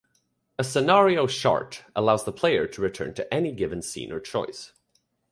A Scenario Chart allows the player to return to any given scene or choice.